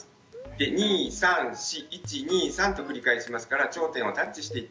で２３４１２３と繰り返しますから頂点をタッチしていって下さい。